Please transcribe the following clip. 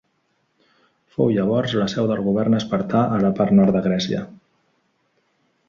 Fou llavors la seu del govern espartà a la part nord de Grècia.